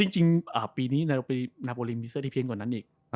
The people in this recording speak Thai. จริงปีนี้นาโปรลินมีเสื้อที่เพี้ยนกว่านั้นอีก